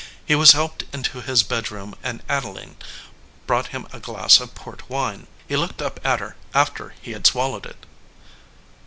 He was helped into his bedroom and Adeline brought him a glass of port wine. He looked up at her after he had swallowed it.